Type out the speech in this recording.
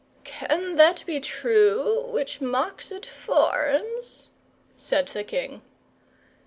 "Can that be true which mocks at forms?" said the king.